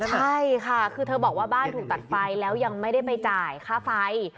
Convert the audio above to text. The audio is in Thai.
ใช่ค่ะคือเธอบอกว่าบ้านถูกตัดไฟแล้วยังไม่ได้ไปจ่ายค่าไฟ